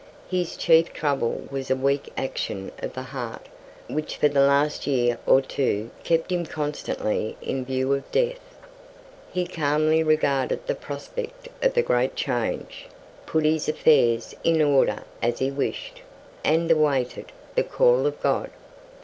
His chief trouble was a weak action of the heart, which for the last year or two kept him constantly in view of death. He calmly regarded the prospect of the great change, put his affairs in order as he wished, and awaited "the call of God."